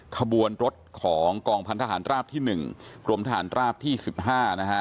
ขบวนรถของกองพันธหารราบที่หนึ่งรวมทหารราบที่สิบห้านะฮะ